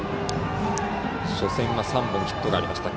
初戦は３本ヒットがありました。